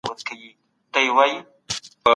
دا څېړنه ډېر وخت ته اړتيا لري.